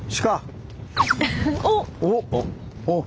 おっ。